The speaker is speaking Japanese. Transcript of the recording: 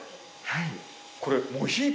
はい。